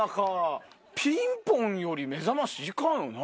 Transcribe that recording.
ピンポンより目覚まし行かんよな？